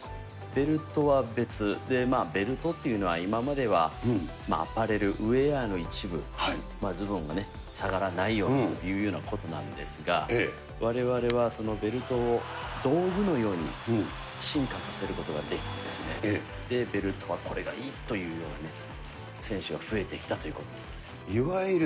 ベルトは別、ベルトというのは、今まではアパレル、ウエアの一部、ズボンが下がらないようにというようなことなんですが、われわれはそのベルトを道具のように進化させることができてですね、ベルトはこれがいいというようなね、選手が増えてきたといういわゆる